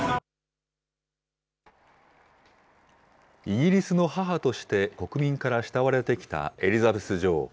イギリスの母として国民から慕われてきたエリザベス女王。